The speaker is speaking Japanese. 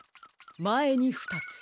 まえにふたつ。